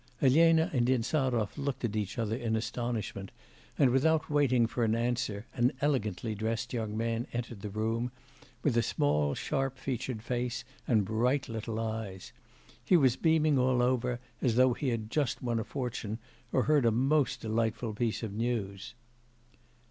Elena and Insarov looked at each other in astonishment; and without waiting for an answer, an elegantly dressed young man entered the room, with a small sharp featured face, and bright little eyes. He was beaming all over, as though he had just won a fortune or heard a most delightful piece of news.